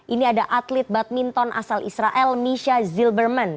ini ada atlet badminton asal israel misha zilberman